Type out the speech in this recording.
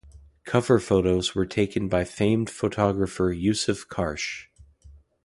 Cover photos were taken by famed photographer Yousuf Karsh.